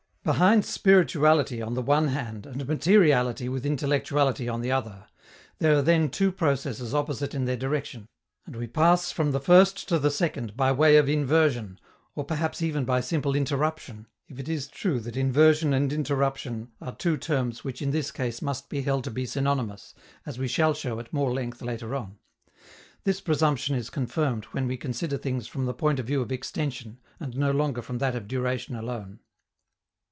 Behind "spirituality" on the one hand, and "materiality" with intellectuality on the other, there are then two processes opposite in their direction, and we pass from the first to the second by way of inversion, or perhaps even by simple interruption, if it is true that inversion and interruption are two terms which in this case must be held to be synonymous, as we shall show at more length later on. This presumption is confirmed when we consider things from the point of view of extension, and no longer from that of duration alone.